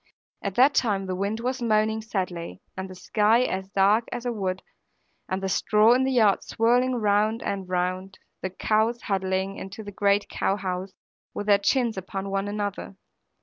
At that time the wind was moaning sadly, and the sky as dark as a wood, and the straw in the yard swirling round and round, and the cows huddling into the great cowhouse, with their chins upon one another.